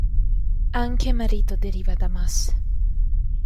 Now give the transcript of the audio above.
Anche "marito" deriva da "mas".